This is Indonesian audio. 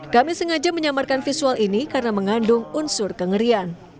kami sengaja menyamarkan visual ini karena mengandung unsur kengerian